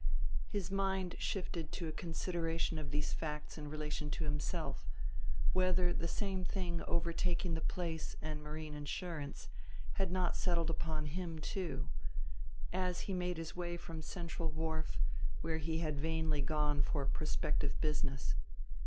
His mind shifted to a consideration of these facts in relation to himself whether the same thing overtaking the place and marine insurance had not settled upon him too as he made his way from Central Wharf, where he had vainly gone for prospective business.